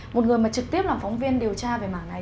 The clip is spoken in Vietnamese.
một người mà trực tiếp làm phóng viên điều tra về mảng này